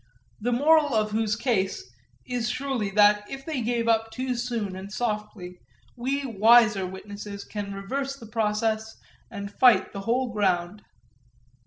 the moral of whose case is surely that if they gave up too soon and too softly we wiser witnesses can reverse the process and fight the whole ground.